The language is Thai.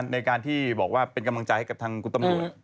ในการที่บอกว่าเป็นกำลังใจกับทางกุศตมรุน